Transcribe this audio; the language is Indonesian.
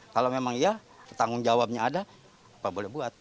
kalau memang iya tanggung jawabnya ada apa boleh buat